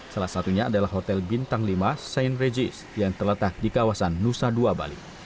salah satunya adalah hotel bintang lima scien regis yang terletak di kawasan nusa dua bali